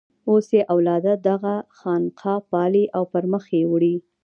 اوس یې اولاده دغه خانقاه پالي او پر مخ یې وړي.